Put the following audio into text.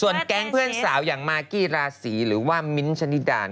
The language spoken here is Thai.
แก๊งเพื่อนสาวอย่างมากกี้ราศีหรือว่ามิ้นท์ชะนิดา